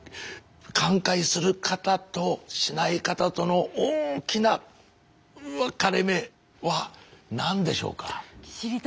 寛解する方としない方との大きな分かれ目は何でしょうか？